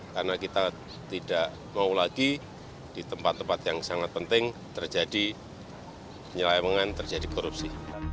karena kita tidak mau lagi di tempat tempat yang sangat penting terjadi penyelamangan terjadi korupsi